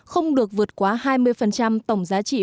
không được vượt quá hai mươi tổng giá trị